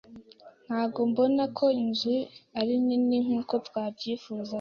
Ntabwo mbona ko inzu ari nini nkuko twabyifuzaga.